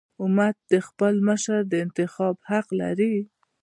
امت د خپل مشر د انتخاب حق لري.